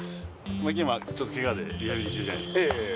今、ちょっとけがでリハビリ中じゃないですか。